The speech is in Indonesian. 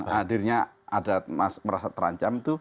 hadirnya ada merasa terancam